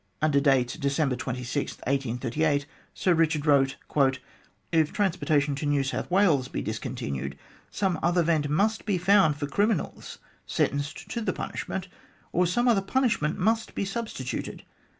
Under date December 26, 1838, Sir Richard wrote: "If transportation > to New South Wales be discontinued, some other vent must be found for criminals sentenced to that punishment, or some other punishment must be substituted.